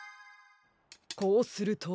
こうすると。